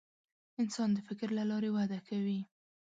انسان د فکر له لارې وده کوي.